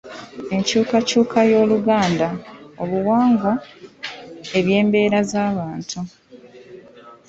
Enkyukakyuka y’Oluganda: obuwangwa, ebyembeera z’abantu